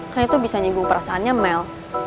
kan itu bisa nyeguh perasaannya mel